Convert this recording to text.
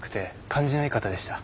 感じのいい方でした。